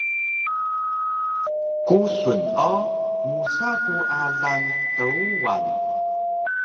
Kusun o musa ku alang Truwan